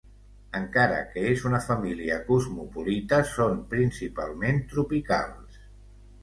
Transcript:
Encara que és una família cosmopolita són principalment tropicals.